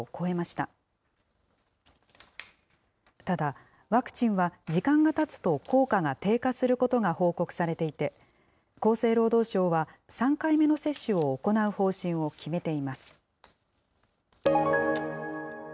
ただ、ワクチンは時間がたつと効果が低下することが報告されていて、厚生労働省は３回目の接種を行う方針を決めています。